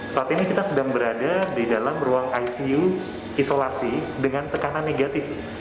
saat ini kita sedang berada di dalam ruang icu isolasi dengan tekanan negatif